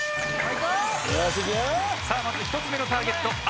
まず１つ目のターゲット。